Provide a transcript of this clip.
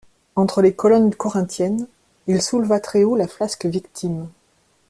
Entre les colonnes corinthiennes, il souleva très haut la flasque victime.